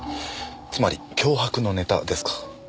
つまり脅迫のネタですか。